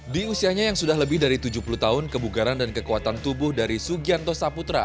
di usianya yang sudah lebih dari tujuh puluh tahun kebugaran dan kekuatan tubuh dari sugianto saputra